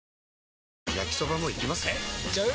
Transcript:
えいっちゃう？